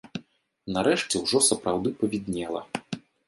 Нарэшце ўжо сапраўды павіднела.